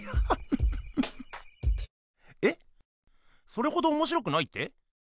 それほどおもしろくないって？